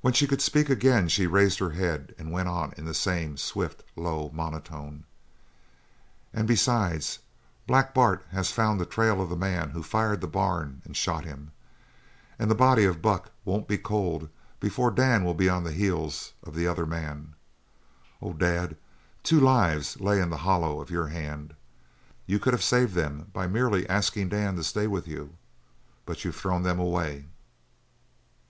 When she could speak again she raised her head and went on in the same swift, low monotone: "And besides, Black Bart has found the trail of the man who fired the barn and shot him. And the body of Buck won't be cold before Dan will be on the heels of the other man. Oh, Dad, two lives lay in the hollow of your hand. You could have saved them by merely asking Dan to stay with you; but you've thrown them away."